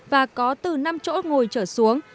và có từ năm chỗ ngồi chở xuống